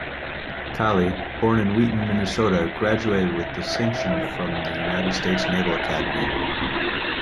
Colley, born in Wheaton, Minnesota, graduated with distinction from the United States Naval Academy.